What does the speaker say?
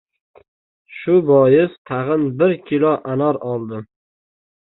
Shu bois, tag‘in bir kilo anor oldim.